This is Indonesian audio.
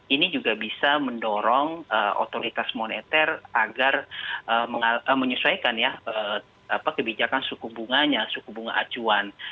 ini juga bisa mendorong otoritas moneter agar menyesuaikan ya kebijakan suku bunganya suku bunga acuan